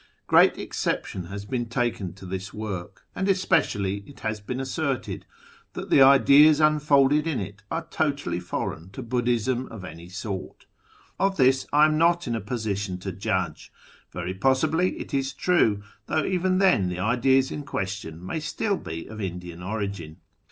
Great exception has been taken to this work, and especially it has been asserted that the ideas unfolded in it are totally foreign to Buddhism of any sort. Of this I am not in a position to judge : very possibly it is true, though even then the ideas in question may still be of Indian origin.